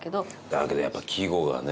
だけどやっぱ季語がね。